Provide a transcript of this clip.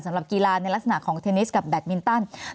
สำหรับกีฬาในลักษณะของเทนนิสกับแบตมินตัน